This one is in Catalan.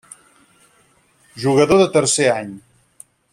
Jugador de tercer any.